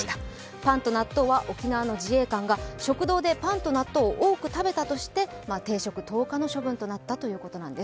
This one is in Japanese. パンと納豆は沖縄の自衛官が食堂でパンと納豆を多く食べたとして停職１０日の処分となったということです。